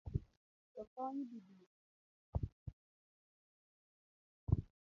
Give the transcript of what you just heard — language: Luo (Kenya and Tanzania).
Jokony dhi biro